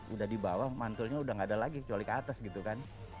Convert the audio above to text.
udah di bawah mantulnya udah gak ada lagi kecuali ke atas gitu kan